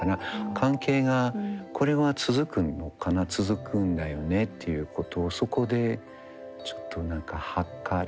関係がこれは続くのかな続くんだよねっていうことをそこでちょっと何かはかる。